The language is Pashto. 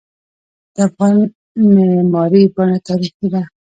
د افغان معماری بڼه تاریخي ده.